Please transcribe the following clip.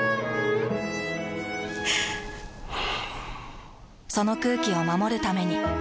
ふぅその空気を守るために。